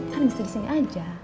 kan bisa disini aja